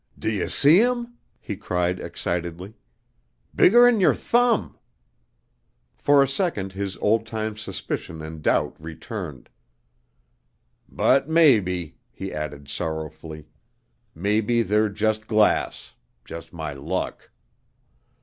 "D' ye see 'em?" he cried excitedly. "Bigger 'n yer thumb?" For a second his old time suspicion and doubt returned. "But maybe," he added sorrowfully, "maybe they're jus' glass. Jus' my luck."